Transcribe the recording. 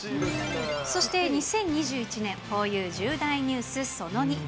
そして２０２１年、ふぉゆ重大ニュースその２。